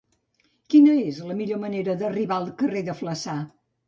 Quina és la millor manera d'arribar al carrer de Flaçà?